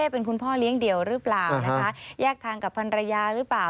เป็นคุณพ่อเลี้ยงเดี่ยวหรือเปล่านะคะแยกทางกับพันรยาหรือเปล่า